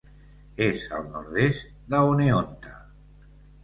És al nord-est de Oneonta.